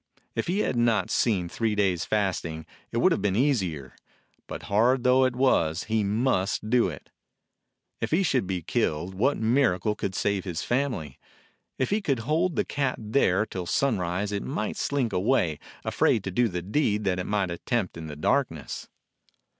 If he had not been three days fasting it would have been easier, but hard though it was, he must do it. If he should be killed, what miracle could save his family? If he could hold the cat there till sunrise it might slink away, afraid to do the deed that it might attempt in the darkness.